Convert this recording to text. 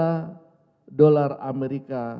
pada januari dua ribu empat belas